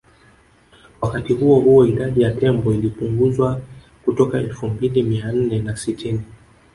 Wakati huo huo idadi ya tembo ilipunguzwa kutoka Elfu mbili mia nne na sitini